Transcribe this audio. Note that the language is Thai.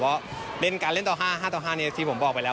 เพราะว่าเป็นการเล่นต่อ๕๕ต่อ๕นี้ที่ผมบอกไปแล้ว